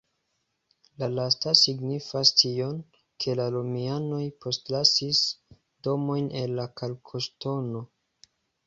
La lasta signifas tion, ke la romianoj postlasis domojn el kalkoŝtono.